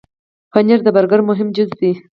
پنېر د برګر مهم جز دی.